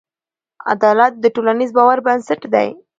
عدالت د ټولنیز باور بنسټ دی.